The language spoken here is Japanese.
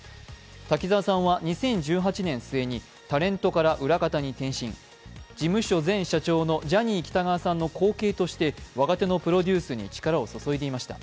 滝沢さんは２０１８年末にタレントから裏方に転身、事務所前社長のジャニー喜多川さんの後継として若手のプロデュースに力を注いでいました。